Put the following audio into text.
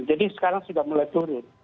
jadi sekarang sudah mulai turun